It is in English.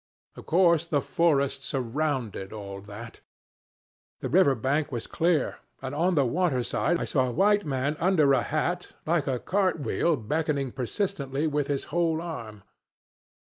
Of course the forest surrounded all that. The river bank was clear, and on the water side I saw a white man under a hat like a cart wheel beckoning persistently with his whole arm.